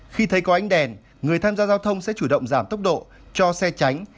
khi thấy có ánh đèn người tham gia giao thông sẽ chủ động giảm tốc độ cho xe tránh